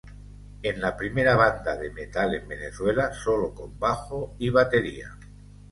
Es la primera banda de Metal en Venezuela, solo con bajo y batería.